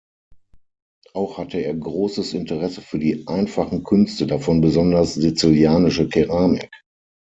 Auch hatte er großes Interesse für die einfachen Künste, davon besonders sizilianische Keramik.